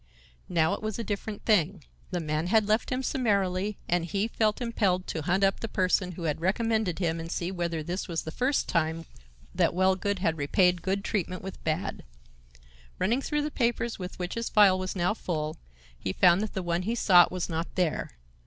Now it was a different thing. The man had left him summarily, and he felt impelled to hunt up the person who had recommended him and see whether this was the first time that Wellgood had repaid good treatment with bad. Running through the papers with which his file was now full, he found that the one he sought was not there.